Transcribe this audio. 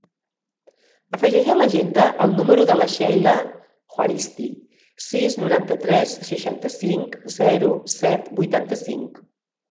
Afegeix a l'agenda el número de la Sheila Juaristi: sis, noranta-tres, seixanta-cinc, zero, set, vuitanta-cinc.